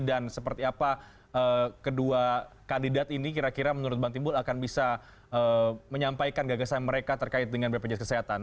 dan seperti apa kedua kandidat ini kira kira menurut bang timbul akan bisa menyampaikan gagasan mereka terkait dengan bpjs kesehatan